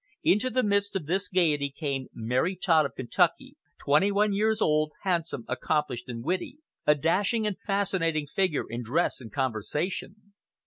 Into the midst of this gaiety came Mary Todd of Kentucky, twenty one years old, handsome, accomplished and witty a dashing and fascinating figure in dress and conversation.